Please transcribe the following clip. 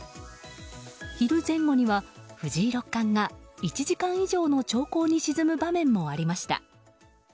昼前後には、藤井六冠が１時間以上の長考に沈む場面もありました。